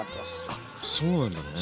あそうなんだね。